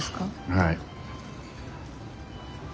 はい。